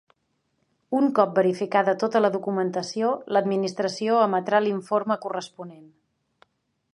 Un cop verificada tota la documentació, l'Administració emetrà l'informe corresponent.